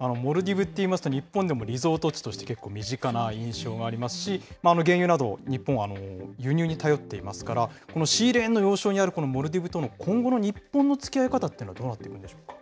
モルディブっていいますと、日本でもリゾート地として結構身近な印象がありますし、原油などを日本は輸入に頼っていますから、このシーレーンの要衝にあるモルディブとの今後の日本のつきあい方ってどうなっていくんでしょうか。